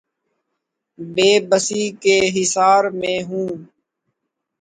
بے بسی کے حصار میں ہوں۔